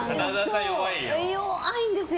弱いんですよ。